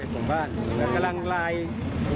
กำลังไลน์บอกผู้ใหญ่ตรงจิตอยู่